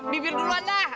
bibir duluan dah